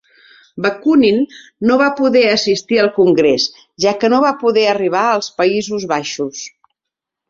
Bakunin no va poder assistir al congrés, ja que no va poder arribar als Països Baixos.